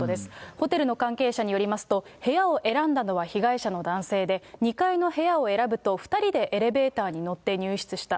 ホテルの関係者によりますと、部屋を選んだのは被害者の男性で、２階の部屋を選ぶと、２人でエレベーターに乗って入室した。